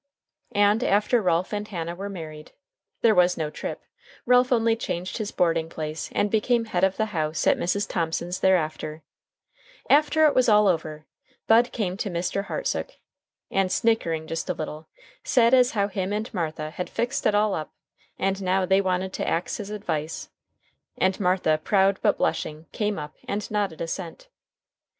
And after Ralph and Hannah were married there was no trip, Ralph only changed his boarding place and became head of the house at Mrs. Thomson's thereafter after it was all over, Bud came to Mr. Hartsook, and, snickering just a little, said as how as him and Martha had fixed it all up, and now they wanted to ax his advice; and Martha proud but blushing, came up and nodded assent.